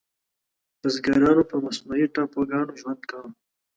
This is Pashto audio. بزګرانو په مصنوعي ټاپوګانو ژوند کاوه.